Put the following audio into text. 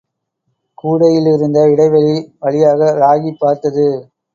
கூடையிலிருந்த இடைவெளி வழியாக ராகி பார்த்தது.